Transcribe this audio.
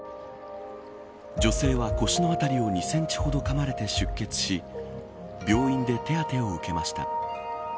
女性は腰の辺りを２センチほどかまれて出血し病院で手当てを受けました。